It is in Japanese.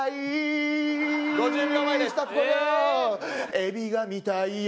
「エビが見たいよ」